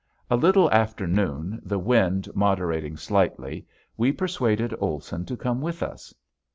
A little after noon the wind moderating slightly we persuaded Olson to come with us.